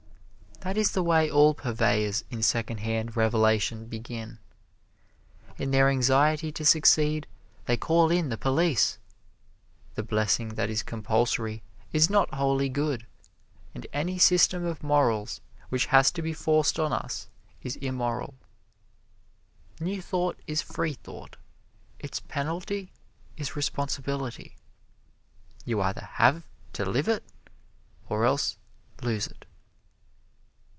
That is the way all purveyors in secondhand revelation begin. In their anxiety to succeed, they call in the police. The blessing that is compulsory is not wholly good, and any system of morals which has to be forced on us is immoral. New Thought is free thought. Its penalty is responsibility. You either have to live it, or else lose it.